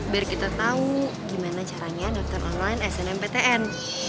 biar kita tau gimana caranya daftar online smptn